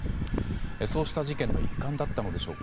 そうした事件の一環だったのでしょうか。